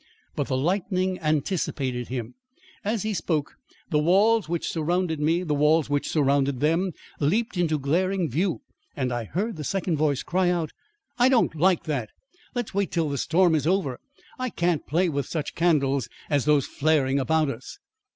But the lightning anticipated him. As he spoke, the walls which surrounded me, the walls which surrounded them, leapt into glaring view and I heard the second voice cry out: "I don't like that! Let's wait till the storm is over. I can't play with such candles as those flaring about us."